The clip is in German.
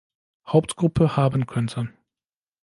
Hauptgruppe haben könnte.